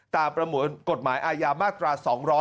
ตามประหมวนกฎหมายอายามมาตรา๒๘๙